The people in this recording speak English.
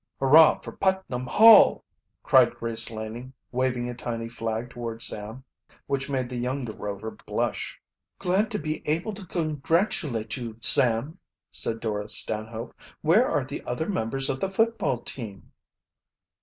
"Hurrah for Putnam Hall!" cried Grace Laning, waving a tiny flag toward Sam, which made the younger Rover blush. "Glad to be able to congratulate you, Sam!" said Dora Stanhope. "Where are the other members of the football team?"